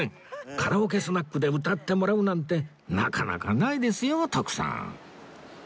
カラオケスナックで歌ってもらうなんてなかなかないですよ徳さん